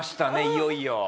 いよいよ。